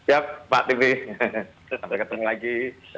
yap pak timi sampai ketemu lagi